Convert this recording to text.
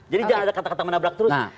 jadi jangan ada kata kata menabrak terus